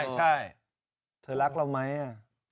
ใช่เธอรักเราไหม